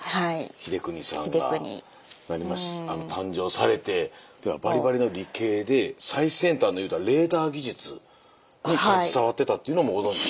英邦さんが誕生されてバリバリの理系で最先端のいうたらレーダー技術に携わってたっていうのもご存じ。